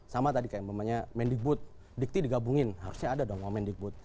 sama tadi kayak bumnnya mendigbud dikti digabungin harusnya ada dong wamen dikbud